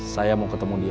saya mau ketemu dia